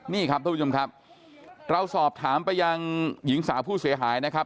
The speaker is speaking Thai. นี่ครับทุกผู้ชมครับเราสอบถามไปยังหญิงสาวผู้เสียหายนะครับ